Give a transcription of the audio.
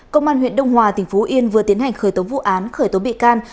công an huyện đông hòa tỉnh phú yên vừa tiến hành khởi tố vụ án khởi tố bị can